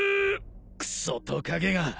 クソトカゲが。